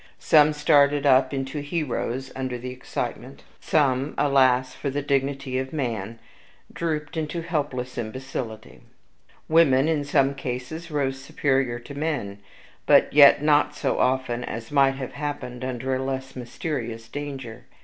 Some started up into heroes under the excitement. Some, alas for the dignity of man! drooped into helpless imbecility. Women, in some cases, rose superior to men, but yet not so often as might have happened under a less mysterious danger.